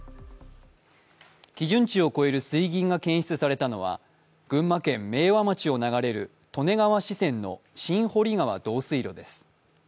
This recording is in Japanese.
基準地を超える水銀が検出されたのは群馬県明和町を流れる利根川支川の新堀川導水路です。